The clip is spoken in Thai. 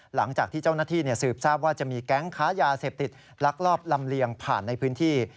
หลังจากที่เจ้าหน้าที่สืบทราบว่าจะมีแก๊งค้ายาเสพติดลักลอบลำเลียงผ่านในพื้นที่